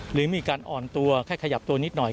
หรือมีการอ่อนตัวแค่ขยับตัวนิดหน่อย